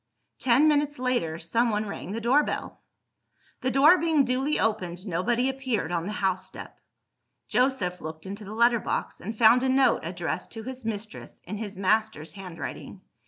Ten minutes later, someone rang the door bell. The door being duly opened, nobody appeared on the house step. Joseph looked into the letter box, and found a note addressed to his mistress, in his master's handwriting.